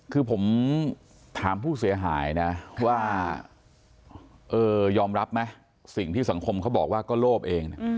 คือผมถามผู้เสียหายนะว่าเออยอมรับไหมสิ่งที่สังคมเขาบอกว่าก็โลภเอง